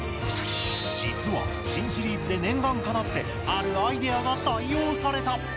実は、新シリーズで念願かなってあるアイデアが採用された。